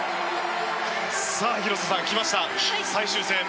広瀬さん、来ました最終戦！